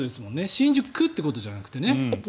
新宿区ということではなくてね。